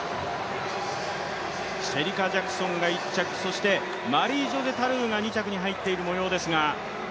シェリカ・ジャクソンが１着そしてマリージョセ・タルーが２着に入っているもようですが。